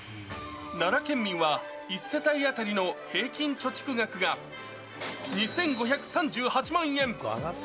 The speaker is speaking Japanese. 奈良県民は、１世帯当たりの平均貯蓄額が２５３８万円。